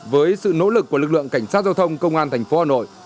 với sự nỗ lực của lực lượng cảnh sát giao thông công an thành phố hà nội